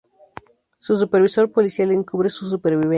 Su supervisor policial encubre su supervivencia.